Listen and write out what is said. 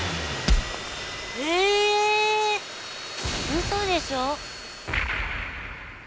うそでしょ？